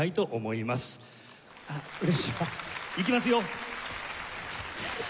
いきますよ！